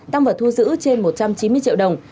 tăng vật thu giữ trên một trăm chín mươi triệu đồng